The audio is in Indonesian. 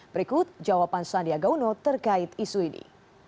berikut jawaban sandiagauno terkait isu ini